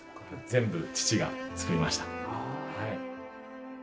全部父が作りました。